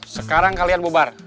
sekarang kalian bubar